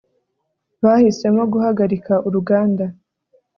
bahisemo guhagarika uruganda